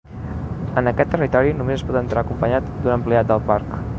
En aquest territori només es pot entrar acompanyat d'un empleat del parc.